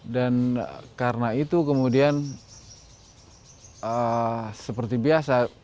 dan karena itu kemudian seperti biasa